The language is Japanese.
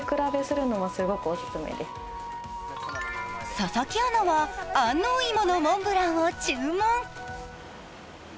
佐々木アナは安納芋のモンブランを注文。